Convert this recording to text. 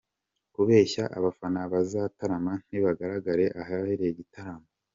Kubeshya abafana abazatarama ntibagaragare ahabereye igitaramo.